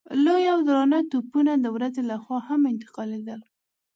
لوی او درانه توپونه د ورځې له خوا هم انتقالېدل.